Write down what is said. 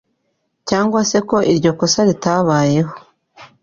cyangwa se ko iryo kosa ritabayeho.